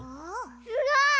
すごい！